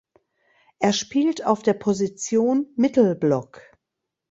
Er spielt auf der Position Mittelblock.